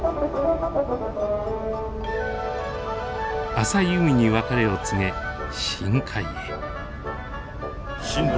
浅い海に別れを告げ深海へ。